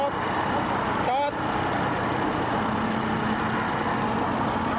ทำไมเป่าแต่ก็รู้